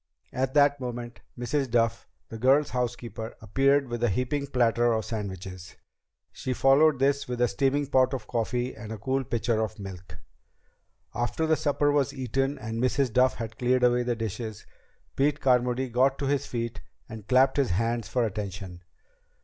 At that moment Mrs. Duff, the girls' housekeeper, appeared with a heaping platter of sandwiches. She followed this with a steaming pot of coffee and a cool pitcher of milk. After the supper was eaten and Mrs. Duff had cleared away the dishes, Pete Carmody got to his feet and clapped his hands for attention.